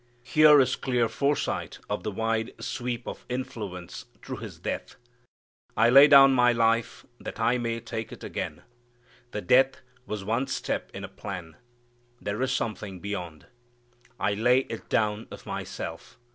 Here is clear foresight of the wide sweep of influence through His death. "I lay down my life that I may take it again." The death was one step in a plan. There is something beyond. "I lay it down of myself.